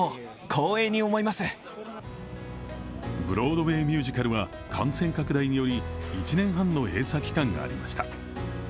ブロードウェイミュージカルは感染拡大により１年半の閉鎖期間がありました。